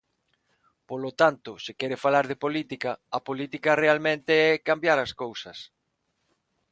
Polo tanto, se quere falar de política, a política realmente é cambiar as cousas.